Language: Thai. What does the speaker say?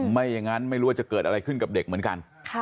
ไม่อย่างนั้นไม่รู้ว่าจะเกิดอะไรขึ้นกับเด็กเหมือนกัน